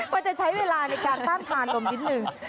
มันจะใช้เวลาในการตั้งตามลมนิดนึง